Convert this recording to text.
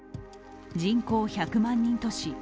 人口１００万人都市